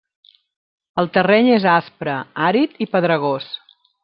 El terreny és aspre, àrid i pedregós.